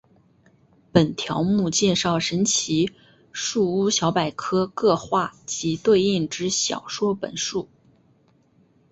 本条目介绍神奇树屋小百科各话及对应之小说本数。